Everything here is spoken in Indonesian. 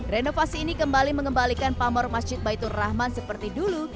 renovasi ini kembali mengembalikan pamor masjid baitur rahman seperti dulu